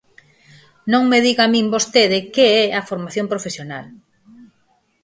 Non me diga a min vostede que é a formación profesional.